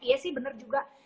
iya sih bener juga